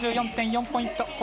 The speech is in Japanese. ９３４．４ポイント